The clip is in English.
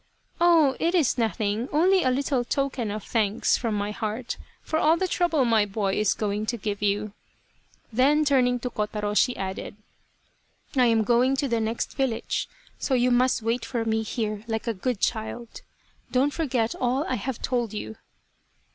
" Oh, it is nothing only a little token of thanks from my heart for all the trouble my boy is going to give you." Then turning to Kotaro, she added :" I am going to the next village, so you must wait for me here like a good child don't forget all I have told you